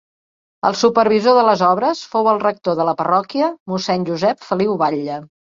El supervisor de les obres fou el rector de la parròquia mossèn Josep Feliu Batlle.